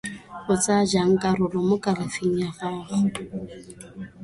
O tsaya jang karolo mo kalafing ya gago?